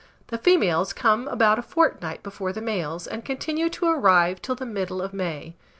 The females come about a fortnight before the males, and continue to arrive till the middle of May.